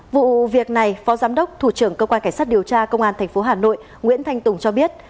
vụ việc này phó giám đốc thủ trưởng cơ quan cảnh sát điều tra công an tp hà nội nguyễn thanh tùng cho biết